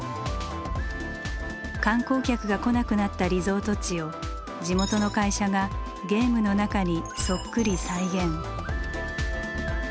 観光客が来なくなったリゾート地を地元の会社がゲームの中にそっくり再現。